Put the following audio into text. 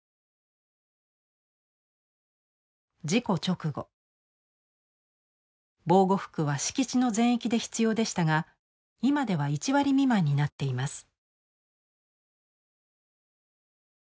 事故直後防護服は敷地の全域で必要でしたが今では１割未満になっています。